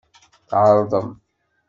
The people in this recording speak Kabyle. Tɛerḍem.